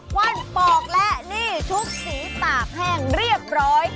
กวั้นปลอกและหนี้ชุดสีตากแห้งเรียบร้อย